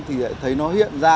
thì thấy nó hiện ra